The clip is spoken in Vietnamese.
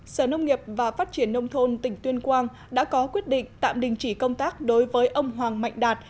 sở nông nghiệp và phát triển nông thôn tỉnh tuyên quang đã có quyết định tạm đình chỉ công tác đối với ông hoàng mạnh đạt